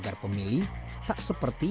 agar pemilih tak seperti